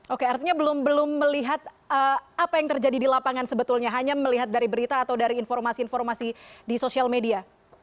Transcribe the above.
oke artinya belum melihat apa yang terjadi di lapangan sebetulnya hanya melihat dari berita atau dari informasi informasi di sosial media